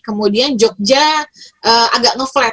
kemudian jogja agak ngeflat